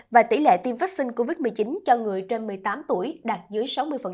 và tỷ lệ tiêm vaccine covid một mươi chín cho người trên một mươi tám tuổi đạt dưới sáu mươi